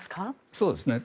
そうですね。